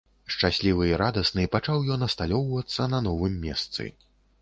Шчаслівы і радасны пачаў ён асталёўвацца на новым месцы.